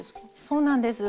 そうなんです。